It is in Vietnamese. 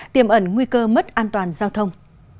tiềm ẩn nguy cơ mất an toàn giao thông